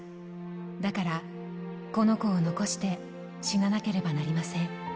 だから、この子を残して死ななければなりません。